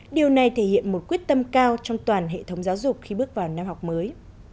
điều này thể hiện một quyết tâm cao trong toàn hệ thống giáo dục khi bước vào năm học mới